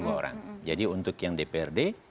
lima orang jadi untuk yang dprd